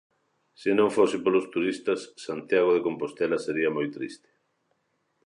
Se non fose polos turistas, Santiago de Compostela sería moi triste.